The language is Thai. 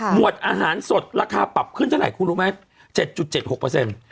หมวดอาหารสดราคาปรับขึ้นเท่าไหร่คุณรู้ไหม๗๗๖